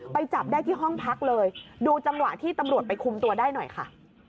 จับได้ที่ห้องพักเลยดูจังหวะที่ตำรวจไปคุมตัวได้หน่อยค่ะ